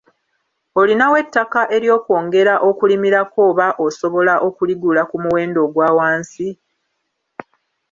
Olinawo ettaka ery’okwongera okulimirako oba osobola okuligula ku muwendo ogwa wansi?